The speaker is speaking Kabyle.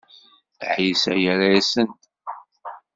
Ɛisa yerra-asen-d.